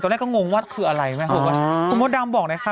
ตอนแรกก็งงว่าคืออะไรไหมอ๋อคุณมดดำบอกหน่อยค่ะ